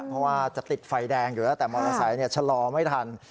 เพราะว่าจะติดไฟแดงอยู่แล้วแต่มอเตอร์ไซค์ชะลอไม่ทัน